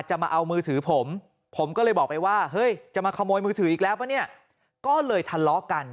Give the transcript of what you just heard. มาเอามือถือผมผมก็เลยบอกไปว่าเฮ้ยจะมาขโมยมือถืออีกแล้วป่ะเนี่ยก็เลยทะเลาะกัน